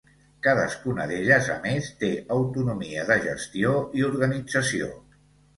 Cadascuna d'elles, a més té autonomia de gestió i organització.